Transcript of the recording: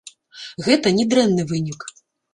Гэта не дрэнны вынік.